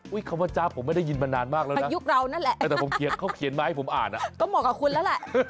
อุ๊ยคำว่าจาร์ฟผมไม่ได้ยินมานานมากแล้วนะแต่ผมเขียนมาให้ผมอ่านอ่ะก็เหมาะกับคุณแล้วแหละ